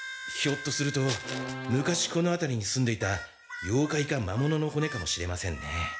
ひょっとすると昔このあたりに住んでいたようかいかまもののほねかもしれませんね。